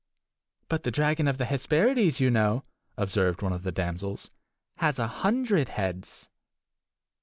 "But the dragon of the Hesperides, you know," observed one of the damsels, "has a hundred heads!"